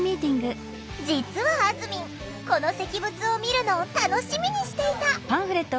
実はあずみんこの石仏を見るのを楽しみにしていた！